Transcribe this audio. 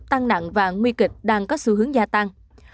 tăng nặng và nguy kịch đang có xu hướng gia tăng